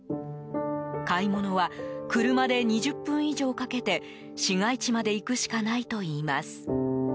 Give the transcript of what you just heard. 買い物は車で２０分以上かけて市街地まで行くしかないといいます。